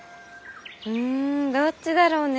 うんどっちだろうね？